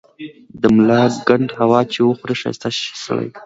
د ملاکنډ هوا چي وخوري ښايسته شی سړے